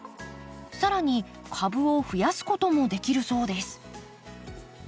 更に株を増やすこともできるそうです。